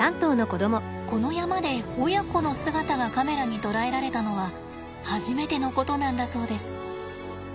この山で親子の姿がカメラに捉えられたのは初めてのことなんだそうです。